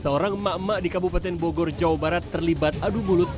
seorang emak emak di kabupaten bogor jawa barat terlibat adu mulut